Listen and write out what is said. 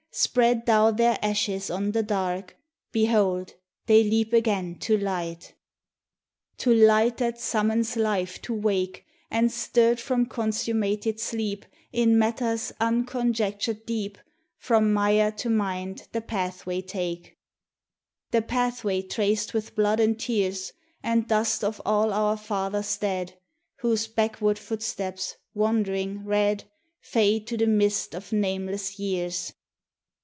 Spread thou their ashes on the dark: Behold! they leap again to light 80 THE TESTIMONY OF THE SUNS. To light that summons Life to wake, And stirred from consummated sleep In matter's unconjectured deep, From mire to mind the pathway take, The pathway traced with blood and tears, And dust of all our fathers dead, Whose backward footsteps, wandering, red, Fade to the mist of nameless years.